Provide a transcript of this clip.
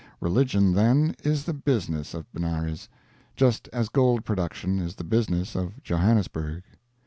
Religion, then, is the business of Benares, just as gold production is the business of Johannesburg.